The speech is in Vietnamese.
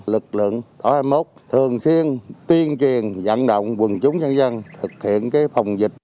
lực lượng tổ hai mươi một thường xuyên tuyên truyền dặn động quần chúng dân dân thực hiện phòng dịch